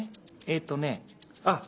えっとねあっ